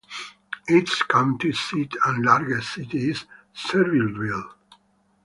Its county seat and largest city is Sevierville.